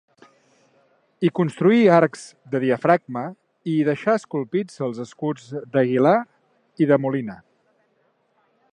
Hi construí arcs de diafragma i hi deixà esculpits els escuts d’Aguilar i de Molina.